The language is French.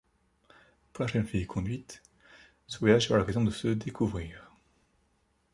Pour la jeune fille éconduite, ce voyage sera l'occasion de se découvrir.